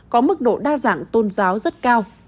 có mức độ đa dạng tôn giáo rất cao